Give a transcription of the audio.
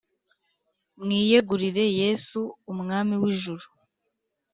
mwiyegurire yesu, umwami w'ijuru.